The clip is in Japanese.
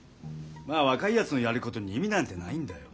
まあ若いやつのやる事に意味なんてないんだよ。